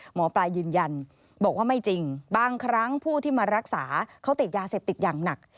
หมอปลายืนยันบอกว่าไม่จริงบางครั้งผู้ที่มารักษาเขาติดยาเสพติดอย่างหนัก